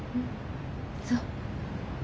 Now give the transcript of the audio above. そう。